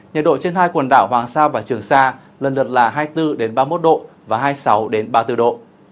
nhiệt độ trên hai quần đảo hoàng sa và trường sa lần lượt là hai mươi bốn ba mươi một độ và hai mươi sáu ba mươi bốn độ